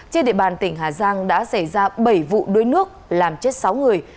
trên địa bàn tỉnh hà giang đã xảy ra bảy vụ đuối nước làm chết sáu người